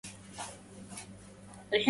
ربع البلى أخرس عميت